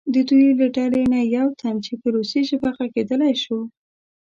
د دوی له ډلې نه یو تن چې په روسي ژبه غږېدلی شو.